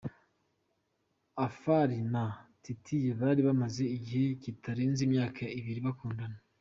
afari na Titie bari bamaze igihe kitarenze imyaka ibiri bakundana.